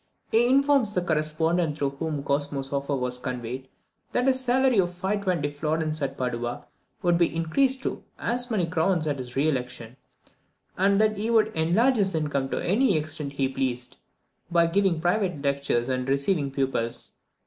He informs the correspondent through whom Cosmo's offer was conveyed, that his salary of 520 florins at Padua would be increased to as many crowns at his re election, and that he could enlarge his income to any extent he pleased, by giving private lectures and receiving pupils.